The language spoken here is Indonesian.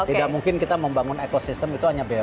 tidak mungkin kita membangun ekosistem itu hanya bumn